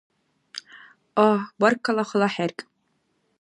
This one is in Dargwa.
Агь, баракатла Хала хӀеркӀ!